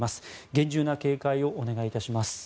厳重な警戒をお願いいたします。